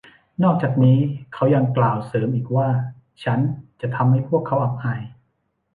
นอกจากนี้เขายังกล่าวเสริมอีกว่า“ ฉันจะทำให้พวกเขาอับอาย”